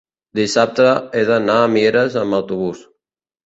dissabte he d'anar a Mieres amb autobús.